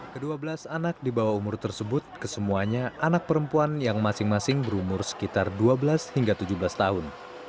kedua belas anak di bawah umur tersebut kesemuanya anak perempuan yang masing masing berumur sekitar dua belas hingga tujuh belas tahun